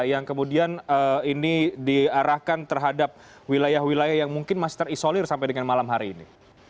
yang kemudian ini diarahkan terhadap wilayah wilayah yang mungkin masih terisolir sampai dengan malam hari ini